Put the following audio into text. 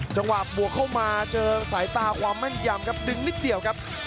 จังหวะบวกเข้ามาเจอสายตาความแม่นยำครับดึงนิดเดียวครับ